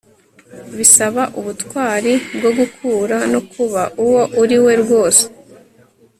bisaba ubutwari bwo gukura no kuba uwo uriwe rwose